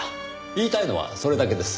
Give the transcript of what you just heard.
言いたいのはそれだけです。